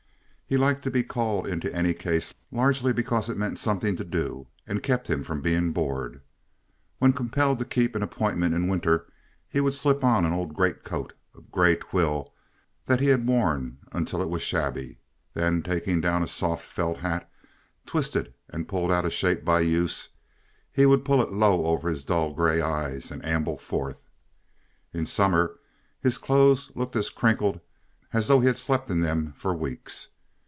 He liked to be called into any case largely because it meant something to do and kept him from being bored. When compelled to keep an appointment in winter, he would slip on an old greatcoat of gray twill that he had worn until it was shabby, then, taking down a soft felt hat, twisted and pulled out of shape by use, he would pull it low over his dull gray eyes and amble forth. In summer his clothes looked as crinkled as though he had slept in them for weeks.